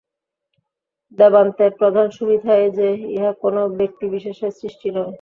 বেদান্তের প্রধান সুবিধা এই যে, ইহা কোন ব্যক্তিবিশেষের সৃষ্টি নয়।